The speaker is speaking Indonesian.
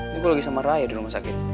gue lagi sama raya di rumah sakit